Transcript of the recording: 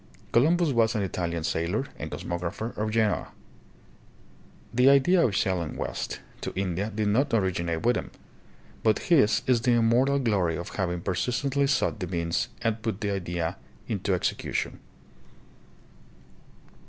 Columbus was an Italian sailor and cosm'ographer of Genoa. The idea of sailing west to THE GREAT GEOGRAPHICAL DISCOVERIES. 67 India did not originate with him, but his is the immortal glory of having persistently sought the means and put the idea into execution.